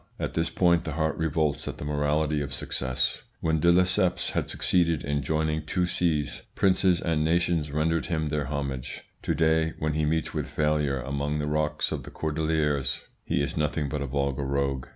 At this point the heart revolts at the morality of success. When de Lesseps had succeeded in joining two seas princes and nations rendered him their homage; to day, when he meets with failure among the rocks of the Cordilleras, he is nothing but a vulgar rogue.